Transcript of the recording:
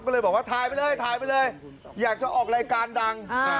ก็เลยบอกว่าถ่ายไปเลยถ่ายไปเลยอยากจะออกรายการดัง